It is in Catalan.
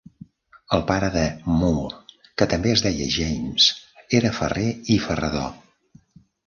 El pare de Moore, que també es deia James, era ferrer i ferrador.